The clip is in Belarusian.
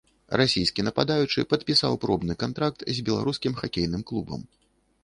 Расійскі нападаючы падпісаў пробны кантракт з беларускім хакейным клубам.